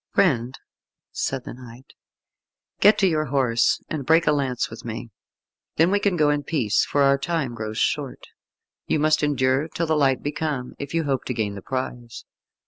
"Friend," said the knight, "get to your horse, and break a lance with me. Then we can go in peace, for our time grows short. You must endure till the light be come if you hope to gain the prize.